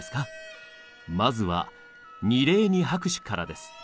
まずは二礼二拍手からです。